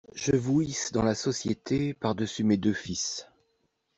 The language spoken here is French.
Je vous hisse dans la société par-dessus mes deux fils.